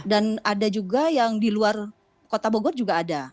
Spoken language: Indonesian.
dan ada juga yang di luar kota bogor juga ada